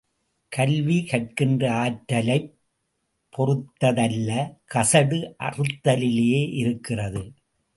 கல்வி, கற்கின்ற ஆற்றல்ைப் பொறுத்ததல்ல, கசடு அறுத்தலிலேயே இருக்கிறது.